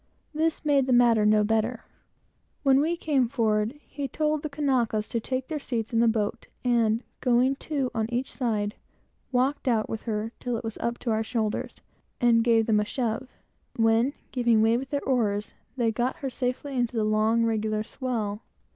This made the matter no better; when we came forward, told the Kanakas to take their seats in the boat, and, going two on each side, walked out with her till it was up to our shoulders, and gave them a shove, when, giving way with their oars, they got her safely into the long, regular swell.